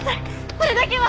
それだけは。